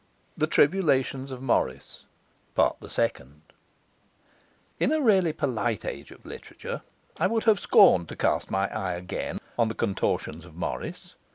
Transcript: The Tribulations of Morris: Part the Second In a really polite age of literature I would have scorned to cast my eye again on the contortions of Morris.